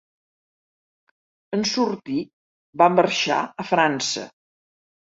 En sortir, va marxar a França.